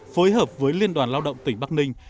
phối hợp với liên đoàn lao động tỉnh bắc ninh